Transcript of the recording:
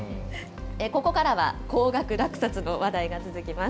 ここからは、高額落札の話題が続きます。